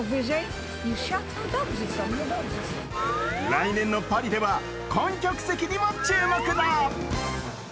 来年のパリでは観客席にも注目だ。